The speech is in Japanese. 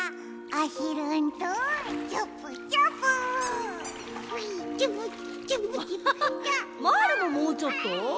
アハハまぁるももうちょっと？